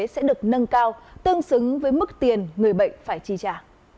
sẽ được nâng cao tương xứng với mức tiền người bệnh phải chi trả